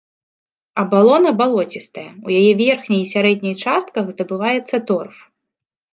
Абалона балоцістая, у яе верхняй і сярэдняй частках здабываецца торф.